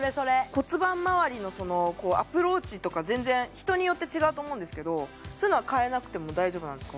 骨盤まわりのアプローチとか全然人によって違うと思うんですけどそういうのは変えなくても大丈夫なんですか？